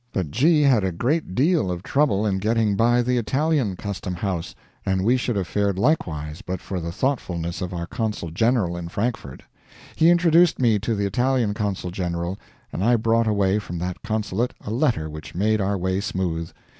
But G. had a great deal of trouble in getting by the Italian custom house, and we should have fared likewise but for the thoughtfulness of our consul general in Frankfort. He introduced me to the Italian consul general, and I brought away from that consulate a letter which made our way smooth.